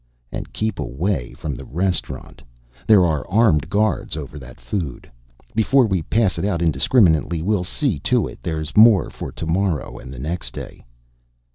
And keep away from the restaurant. There are armed guards over that food. Before we pass it out indiscriminately, we'll see to it there's more for to morrow and the next day."